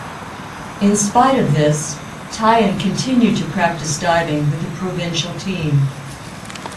In spite of this, Tian continued to practice diving with a provincial team.